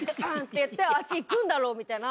てやってあっち行くんだろうみたいな。